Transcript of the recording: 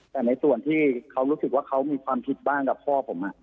แต่ในส่วนที่เขารู้สึกว่าเขามีความคิดบ้างกับพ่อผม